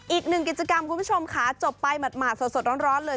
อีก๑กิจกรรมคุณผู้ชมค่ะจบไปหมดหมาสดร้อนเลย